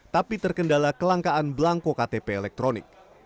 tapi terkendala kelangkaan belangko ktp elektronik